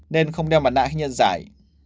nên không đeo mặt nạ khi nhận giải